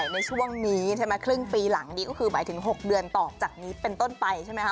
ในช่วงนี้ใช่ไหมครึ่งปีหลังนี้ก็คือหมายถึง๖เดือนต่อจากนี้เป็นต้นไปใช่ไหมคะ